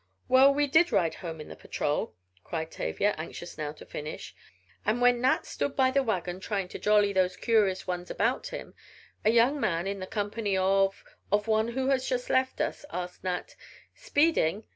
"Well, we did ride home in the patrol," cried Tavia, anxious now to finish, "and when Nat stood by the wagon trying to jolly those curious ones about him, a young man, in the company of of one who has just left us, asked Nat, 'Speeding?'